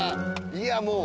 いやもう。